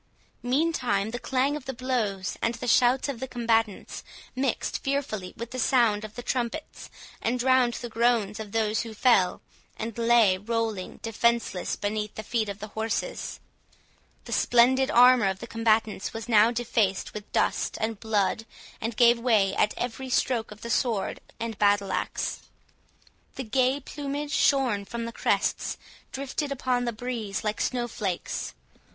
Meantime the clang of the blows, and the shouts of the combatants, mixed fearfully with the sound of the trumpets, and drowned the groans of those who fell, and lay rolling defenceless beneath the feet of the horses. The splendid armour of the combatants was now defaced with dust and blood, and gave way at every stroke of the sword and battle axe. The gay plumage, shorn from the crests, drifted upon the breeze like snow flakes.